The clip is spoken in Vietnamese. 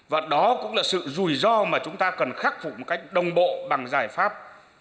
và đó cũng là sự rủi ro mà chúng ta cần khắc phục một cách đồng bộ bằng giải pháp